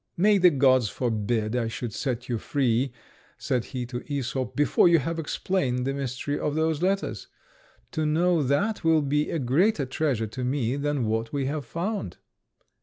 "May the gods forbid I should set you free," said he to Æsop, "before you have explained the mystery of those letters. To know that will be a greater treasure to me than what we have found."